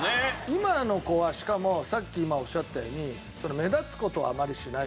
今の子はしかもさっきおっしゃったように目立つ事をあまりしないと。